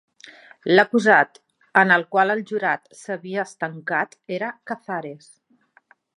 L'acusat en el qual el jurat s'havia estancat era Cazares.